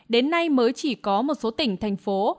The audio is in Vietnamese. đến nay mới chỉ có một số tỉnh thành phố